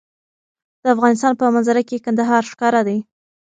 د افغانستان په منظره کې کندهار ښکاره دی.